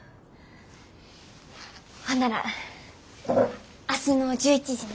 ほんなら明日の１１時に。